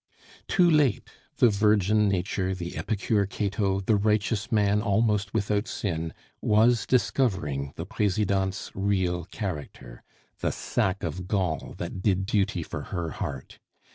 Too late the virgin nature, the epicure Cato, the righteous man almost without sin, was discovering the Presidente's real character the sac of gall that did duty for her heart.